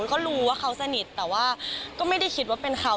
ก็รู้ว่าเขาสนิทแต่ว่าก็ไม่ได้คิดว่าเป็นเขา